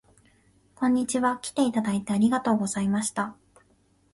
こんにちは。きていただいてありがとうございました